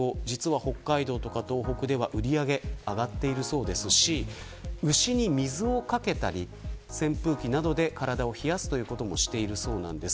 北海道や東北では売り上げが上がっているそうですし牛に水をかけたり、扇風機などで体を冷やすこともしているそうです。